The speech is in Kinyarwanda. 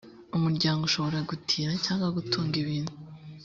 umuryango ushobora gutira cyangwa gutunga ibintu